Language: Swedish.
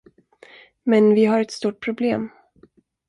Men vi har ett stort problem.